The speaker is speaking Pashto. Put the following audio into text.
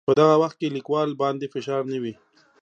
په دغه وخت کې لیکوال باندې فشار نه وي.